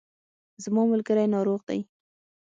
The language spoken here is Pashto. زما ملګری ناروغ دی